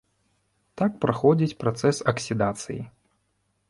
Там праходзіць працэс аксідацыі.